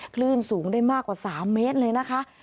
คลื่นสูงได้มากกว่า๓เมตรเลยนะคะ